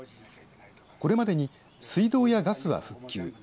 これまでに水道やガスは復旧。